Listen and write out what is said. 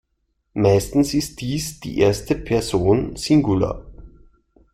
Meistens ist dies die erste Person Singular.